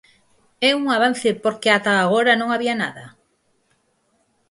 ¿É un avance porque ata agora non había nada?